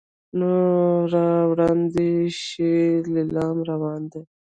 نو را وړاندې دې شي لیلام روان دی.